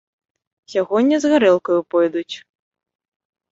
Сягоння з гарэлкаю пойдуць.